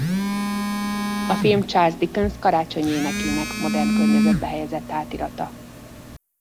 A film Charles Dickens Karácsonyi énekének modern környezetbe helyezett átirata.